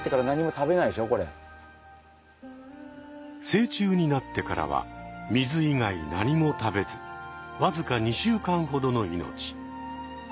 成虫になってからは水以外何も食べずわずか２週間ほどの命。